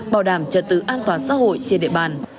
bảo đảm trật tự an toàn xã hội trên địa bàn